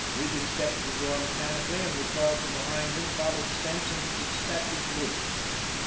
Regan stepped to the door mechanically, and, with Carleton behind him, followed Spence into the despatchers' room.